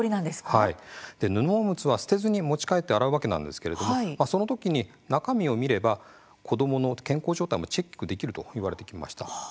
はい、布おむつは捨てずに持ち帰って洗うわけなんですけれどもそのときに中身を見れば子どもの健康状態もチェックできるといわれてきました。